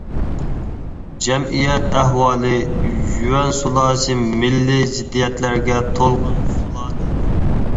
جەمئىيەت ئەھۋالى يۈەن سۇلالىسى مىللىي زىددىيەتلەرگە تولغان سۇلالە ئىدى.